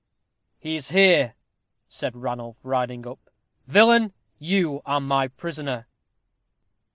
"He is here," said Ranulph, riding up. "Villain, you are my prisoner."